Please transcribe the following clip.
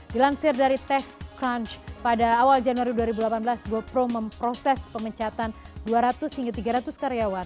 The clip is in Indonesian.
dilansir dari tech crunch pada awal januari dua ribu delapan belas gopro memproses pemecatan dua ratus hingga tiga ratus karyawan